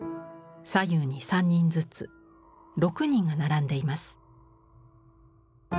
左右に３人ずつ６人が並んでいます。